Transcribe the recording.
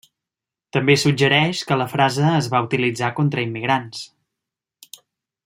També suggereix que la frase es va utilitzar contra immigrants.